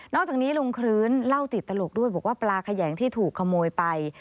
อกจากนี้ลุงคลื้นเล่าติดตลกด้วยบอกว่าปลาแขยงที่ถูกขโมยไป